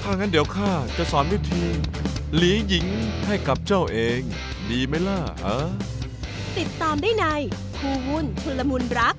ถ้างั้นเดี๋ยวข้าจะสอนวิธีหลีหญิงให้กับเจ้าเองดีไหมล่ะ